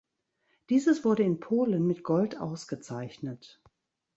Dieses wurde in Polen mit Gold ausgezeichnet.